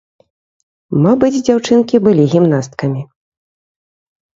Мабыць, дзяўчынкі былі гімнасткамі.